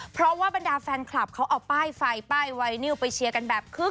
เพราะว่าบรรดาแฟนคลับเขาเอาป้ายไฟไปแบบเชียร์กัน